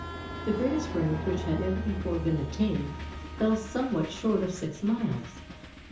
The greatest range which had ever before been attained fell somewhat short of six miles.